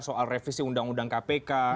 soal revisi undang undang kpk